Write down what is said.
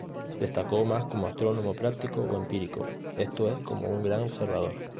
Destacó más como astrónomo práctico o empírico, esto es, como un gran observador.